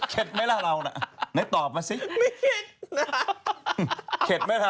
ใช่แล้วไอเกียนเนี่ยคือแบบ